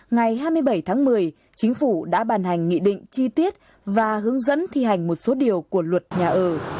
ngày hai mươi bảy tháng một mươi chính phủ đã bàn hành nghị định chi tiết và hướng dẫn thi hành một số điều của luật nhà ở